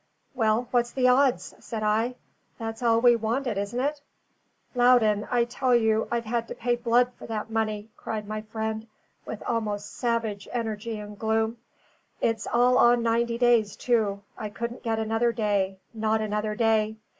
"Well, what's the odds?" said I. "That's all we wanted, isn't it?" "Loudon, I tell you I've had to pay blood for that money," cried my friend, with almost savage energy and gloom. "It's all on ninety days, too; I couldn't get another day not another day.